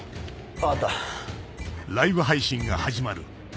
分かった。